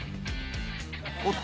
おっと。